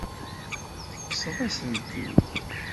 Tekkseḍ-asen-t-id.